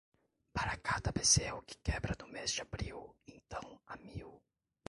Para cada bezerro que quebra no mês de abril, então há mil.